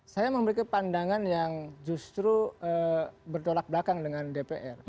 saya memberikan pandangan yang justru bertolak belakang dengan dpr